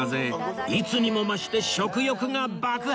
いつにも増して食欲が爆発！